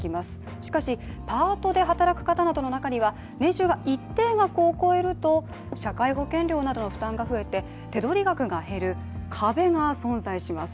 しかし、パートで働く方などの中には年収が一定額を超えると社会保険料などの負担が増えて、手取り額が減る壁が存在します。